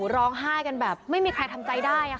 ร้องไห้กันแบบไม่มีใครทำใจได้